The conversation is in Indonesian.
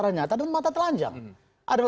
kalau vain reh tutorial dulu